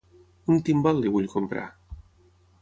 Un timbal li vull comprar.